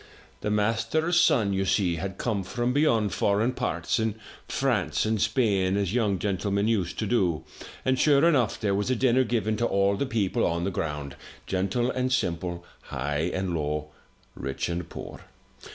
"The master's son, you see, had come from beyond foreign parts in France and Spain as young gentlemen used to do, and, sure enough, there was a dinner given to all the people on the ground, gentle and simple, high and low, rich and poor.